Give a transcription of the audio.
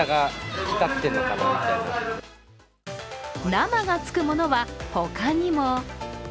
生がつくものは他にも。